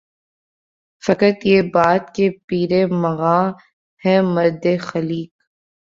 فقط یہ بات کہ پیر مغاں ہے مرد خلیق